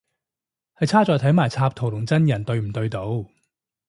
係差在睇埋插畫同真人對唔對到